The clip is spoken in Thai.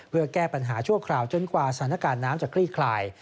เพื่อแก้ปัญหาชั่วคราวจนกว่าสถานการณ์น้ำจะคลี่คลาย